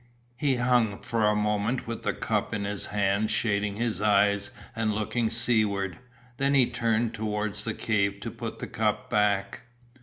He hung for a moment with the cup in his hand shading his eyes and looking seaward, then he turned towards the cave to put the cup back.